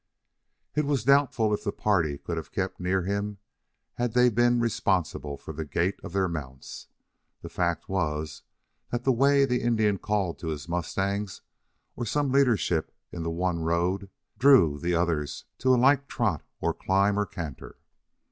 It was doubtful if the party could have kept near him had they been responsible for the gait of their mounts. The fact was that the way the Indian called to his mustang or some leadership in the one rode drew the others to a like trot or climb or canter.